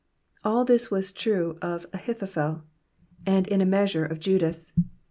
All this was true of Ahithophe), and in a measure of Judas.